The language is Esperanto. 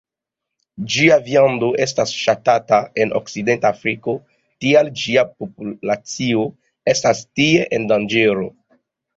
Ĝia viando estas ŝatata en okcidenta Afriko, tial ĝia populacio estas tie en danĝero.